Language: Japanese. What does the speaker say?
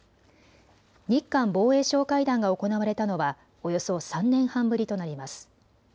日韓防衛相会談が行われたのはおよそ３年半ぶりとなります。